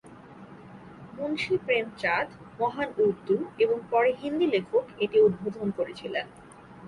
মুন্সি প্রেমচাঁদ, মহান উর্দু এবং পরে হিন্দি লেখক এটি উদ্বোধন করেছিলেন।